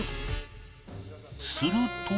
すると